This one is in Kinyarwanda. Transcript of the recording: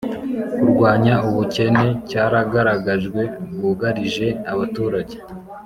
kurwanya ubukene cyagaragajwe bwugarije abaturage